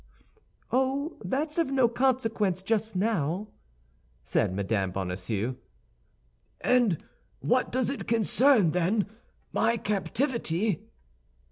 "Oh, that's of no consequence just now," said Mme. Bonacieux. "And what does it concern, then—my captivity?"